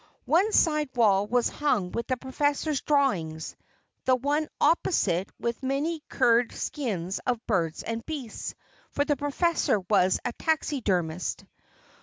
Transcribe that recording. One side wall was hung with the professor's drawings; the one opposite with many cured skins of birds and beasts, for the professor was a taxidermist.